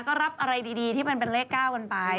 ก็รับอะไรดีที่มันเป็นเลขเก้าวันปลาย